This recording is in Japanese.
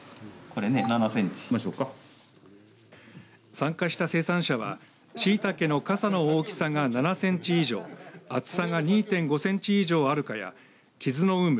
参加した生産者はしいたけの傘の大きさが７センチ以上厚さが２．５センチ以上あるかや傷の有無